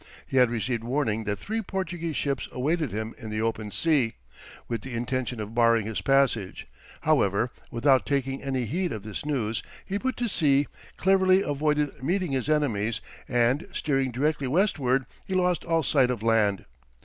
He had received warning that three Portuguese ships awaited him in the open sea, with the intention of barring his passage; however, without taking any heed of this news, he put to sea, cleverly avoided meeting his enemies, and steering directly westward, he lost all sight of land.